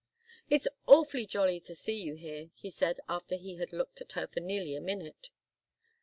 "It's awfully jolly to see you here," he said, after he had looked at her for nearly a minute.